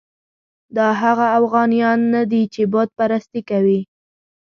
دا هغه اوغانیان نه دي چې بت پرستي کوي.